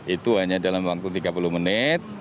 itu hanya dalam waktu tiga puluh menit